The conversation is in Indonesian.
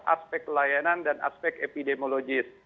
aspek layanan dan aspek epidemiologis